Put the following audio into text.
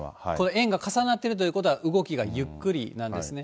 円が重なっているということは、動きがゆっくりなんですね。